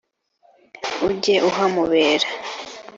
ujye uhamubera,